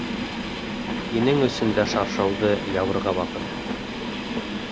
Һинең өсөн дә шаршауҙы ябырға ваҡыт.